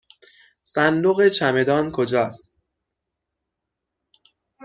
صندوق چمدان کجاست؟